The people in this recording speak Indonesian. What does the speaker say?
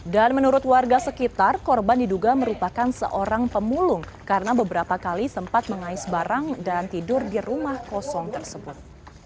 dan menurut warga sekitar korban diduga merupakan seorang pemulung karena beberapa kali sempat mengais barang dan tidur di rumah kosong tersebut